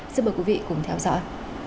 xin mời quý vị cùng theo dõi